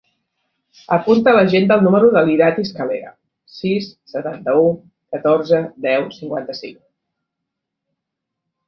Apunta a l'agenda el número de l'Irati Escalera: sis, setanta-u, catorze, deu, cinquanta-cinc.